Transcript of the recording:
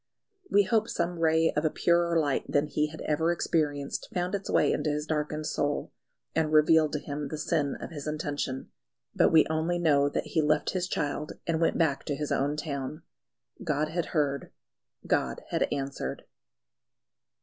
We hope some ray of a purer light than he had ever experienced found its way into his darkened soul, and revealed to him the sin of his intention. But we only know that he left his child and went back to his own town. God had heard: God had answered.